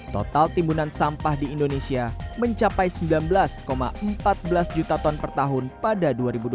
total timbunan sampah di indonesia mencapai sembilan belas empat belas juta ton per tahun pada dua ribu dua puluh